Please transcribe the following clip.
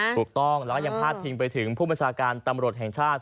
ถูกต้องแล้วก็ยังพาดพิงไปถึงผู้บัญชาการตำรวจแห่งชาติ